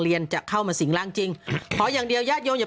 จะเข้ามาสิงร่างจริงขออย่างเดียวญาติโยมอย่า